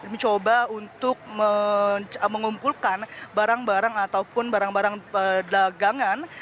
mencoba untuk mengumpulkan barang barang ataupun barang barang dagangan